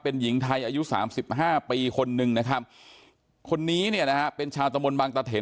เป็นหญิงไทยอายุสามสิบห้าปีคนนึงนะครับคนนี้เนี่ยนะฮะเป็นชาวตะมนต์บางตะเถน